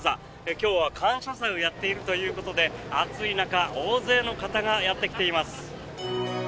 今日は感謝祭をやっているということで暑い中大勢の方がやってきています。